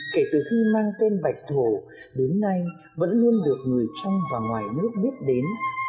kể từ khi mang tên bạch thổ đến nay vẫn luôn được người trong và ngoài nước biết đến